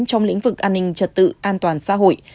trong lĩnh vực an ninh trật tự an toàn xã hội